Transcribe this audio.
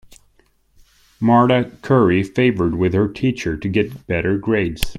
Marta curry favored with her teacher to get better grades.